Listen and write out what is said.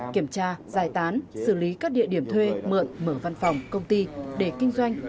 kiểm tra giải tán xử lý các địa điểm thuê mượn mở văn phòng công ty để kinh doanh